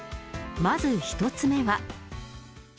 まず１つ目は。